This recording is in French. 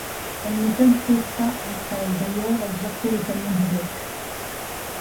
Elles ne tintaient pas entre elles, d’ailleurs, elles heurtaient le canon du Glock.